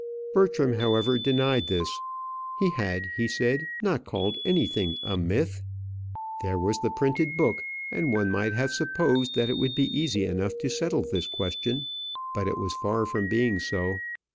Bertram however denied this. He had, he said, not called anything a myth. There was the printed book, and one might have supposed that it would be easy enough to settle this question. But it was far from being so.